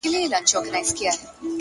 زه يم دا مه وايه چي تا وړي څوك;